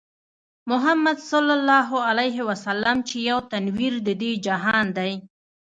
محمدص چې يو تنوير د دې جهان دی